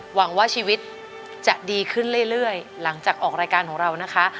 หวังว่าชีวิตจะดีขึ้นเรื่อยหลังจากออกรายการของเรานะคะ